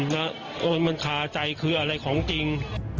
แต่ไว้ขาใจคืออะไรของจริง